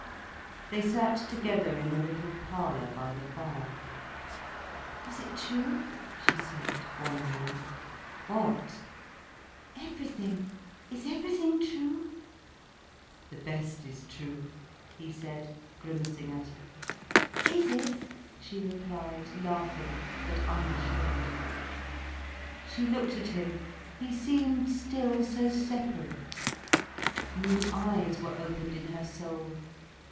They sat together in a little parlour by the fire. "Is it true?" she said, wondering. "What?" "Everything—is everything true?" "The best is true," he said, grimacing at her. "Is it?" she replied, laughing, but unassured. She looked at him. He seemed still so separate. New eyes were opened in her soul.